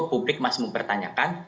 publik masih mempertanyakan